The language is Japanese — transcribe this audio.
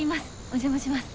お邪魔します。